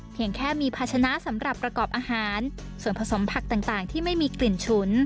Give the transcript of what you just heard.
แค่มีภาชนะสำหรับประกอบอาหารส่วนผสมผักต่างที่ไม่มีกลิ่นฉุน